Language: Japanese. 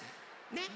ねっ。